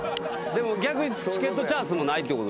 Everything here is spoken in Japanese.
でも逆にチケットチャンスもないってことでしょ。